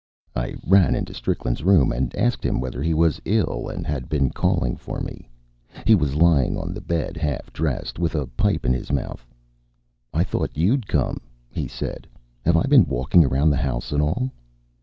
I ran into Strickland's room and asked him whether he was ill and had been calling for me. He was lying on the bed half dressed, with a pipe in his mouth. "I thought you'd come," he said. "Have I been walking around the house at all?"